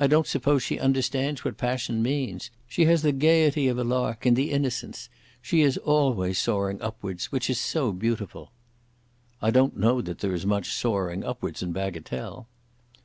I don't suppose she understands what passion means. She has the gaiety of a lark, and the innocence. She is always soaring upwards, which is so beautiful." "I don't know that there is much soaring upwards in bagatelle."